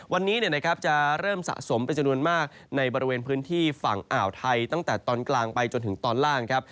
วันนี้จะเริ่มสะสมเป็นจำนวนมากในบริเวณพื้นที่ฝั่งอ่าวไทยตั้งแต่ตอนกลางไปจนถึงตอนล่างครับ